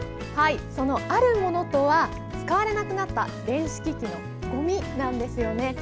その、あるものとは使われなくなった電子機器のごみなんですよね。